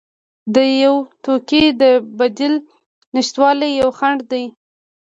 د یو توکي د بدیل نشتوالی یو خنډ دی.